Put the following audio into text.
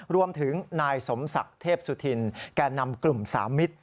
รวมถึงนายสมศักดิ์เทพสุธินแก่นำกลุ่มสามิตร